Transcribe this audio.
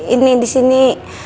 ini di sini